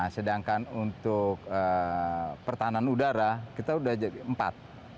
sedangkan untuk pertahanan udara kita sudah jadi empat